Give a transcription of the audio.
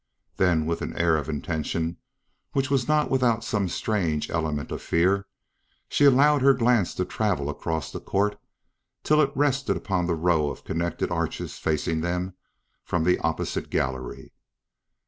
Then with an air of intention which was not without some strange element of fear, she allowed her glance to travel across the court till it rested upon the row of connected arches facing them from the opposite gallery.